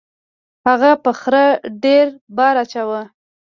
هغه په خره ډیر بار اچاوه.